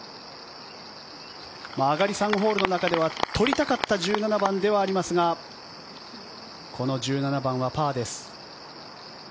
上がり３ホールの中では取りたかった１７番ではありますがこの１７番はパーです。